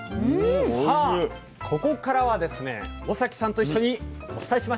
さあここからはですね尾碕さんと一緒にお伝えしましょう！